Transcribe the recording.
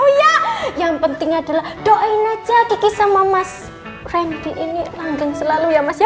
uya yang penting adalah doain aja kiki sama mas randy ini langgang selalu ya mas ya